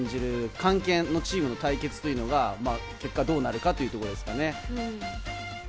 カンケンのチームの対決というのが結果、どうなるかというところですかね？